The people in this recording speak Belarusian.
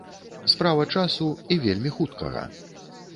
Справа часу і вельмі хуткага.